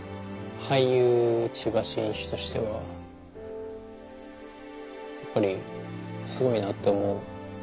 俳優千葉真一としてはやっぱりすごいなって思う。